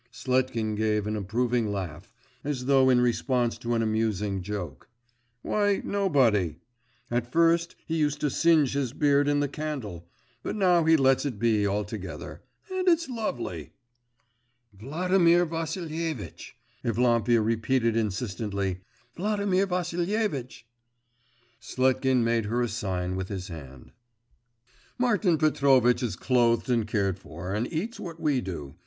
Sletkin gave an approving laugh, as though in response to an amusing joke. 'Why, nobody. At first he used to singe his beard in the candle but now he lets it be altogether. And it's lovely!' 'Vladimir Vassilievitch!' Evlampia repeated insistently: 'Vladimir Vassilievitch!' Sletkin made her a sign with his hand. 'Martin Petrovitch is clothed and cared for, and eats what we do.